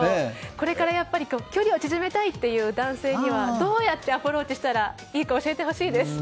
これから距離を縮めたいという男性にはどうやってアプローチしたらいいか教えてほしいです。